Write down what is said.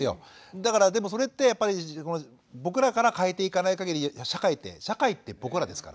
だからでもそれって僕らから変えていかないかぎり社会って社会って僕らですから。